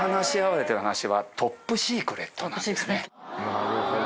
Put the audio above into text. なるほど。